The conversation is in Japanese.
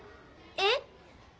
えっ！？